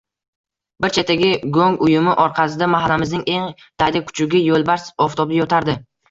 Bir chetdagi go‘ng uyumi orqasida mahallamizning eng daydi kuchugi Yo‘lbars oftobda yotardi